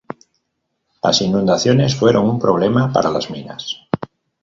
Las inundaciones fueron un problema para las minas.